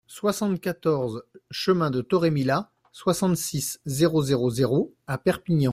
soixante-quatorze chemin de Torremila, soixante-six, zéro zéro zéro à Perpignan